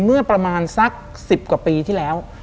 เมื่อประมาณสัก๑๐กว่าปีที่แล้ว